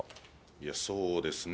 いや、そうですね。